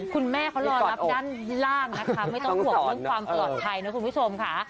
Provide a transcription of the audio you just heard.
คุณแม่เขาก็รอนับด้านล่างไม่ต้องความห่วงความตอดใจ